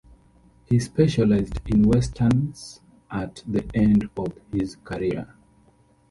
He specialized in Westerns at the end of his career.